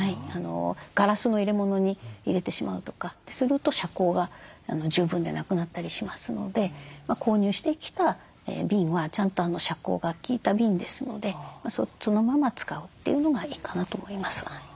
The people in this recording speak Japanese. ガラスの入れ物に入れてしまうとかすると遮光が十分でなくなったりしますので購入してきた瓶はちゃんと遮光が効いた瓶ですのでそのまま使うというのがいいかなと思います。